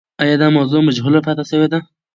آیا دا موضوع مجهوله پاتې سوې ده؟